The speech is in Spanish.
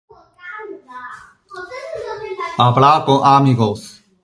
Hablar con amigos